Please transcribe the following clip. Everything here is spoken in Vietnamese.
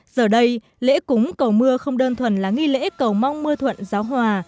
giờ đây lễ cúng cầu mưa không đơn thuần là nghi lễ cầu mong mưa thuận gió hòa